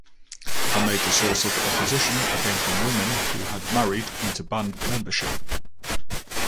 A major source of opposition came from women who had married into band membership.